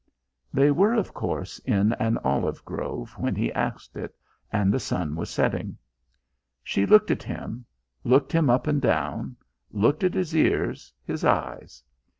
They were, of course, in an olive grove when he asked it, and the sun was setting. She looked at him, looked him up and down, looked at his ears, his eyes.